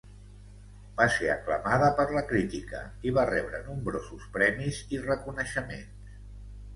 Va ser aclamada per la crítica i va rebre nombrosos premis i reconeixements.